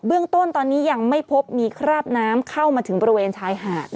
เรื่องต้นตอนนี้ยังไม่พบมีคราบน้ำเข้ามาถึงบริเวณชายหาด